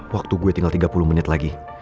waktu gue tinggal tiga puluh menit lagi